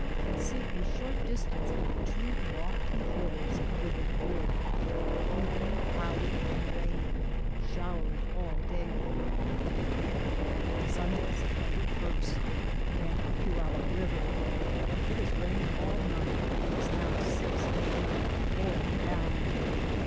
Can see a short distance up two lofty hills covered with wood. Evening cloudy and rainy. Showery all day. Sunday, Sept. i. Bank of Poyallip river. It has rained all night and is now, 6 A.M., pouring down.